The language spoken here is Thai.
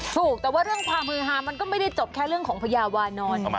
ถูกแต่ว่าเรื่องความฮือฮามันก็ไม่ได้จบแค่เรื่องของพญาวานอน